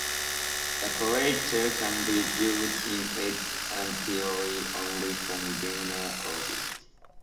The crater can be viewed in its entirety only from lunar orbit.